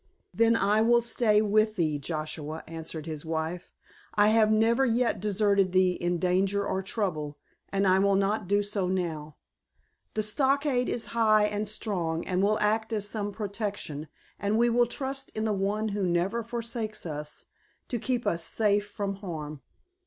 "Then I will stay with thee, Joshua," answered his wife. "I have never yet deserted thee in danger or trouble, and I will not do so now. The stockade is high and strong and will act as some protection, and we will trust in the One who never forsakes us to keep us safe from harm."